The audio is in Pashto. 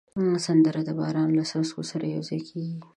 سندره د باران له څاڅکو سره یو ځای کېږي